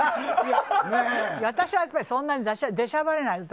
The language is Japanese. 私はそんなに出しゃばらないの。